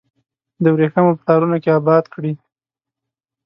د وریښمو په تارونو کې اباد کړي